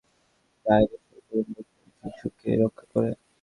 Jaundice, কানপাকা, allergy, জ্বর, ডায়রিয়াসহ কঠিন রোগ থেকে শিশুকে রক্ষা করে।